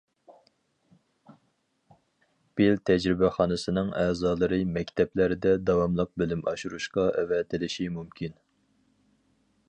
بېل تەجرىبىخانىسىنىڭ ئەزالىرى مەكتەپلەردە داۋاملىق بىلىم ئاشۇرۇشقا ئەۋەتىلىشى مۇمكىن.